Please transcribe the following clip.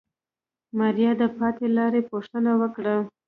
ماريا د پاتې لارې پوښتنه وکړه.